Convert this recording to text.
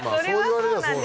そうだね。